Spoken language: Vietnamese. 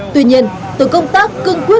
tuy nhiên tôi công tác cân quyết